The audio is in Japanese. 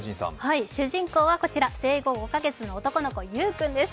主人公はこちら、生後５か月の男の子、ユウ君です。